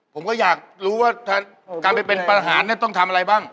ผมก็อยากรู้ว่าการไปเป็นประหารต้องทำอะไรบ้าง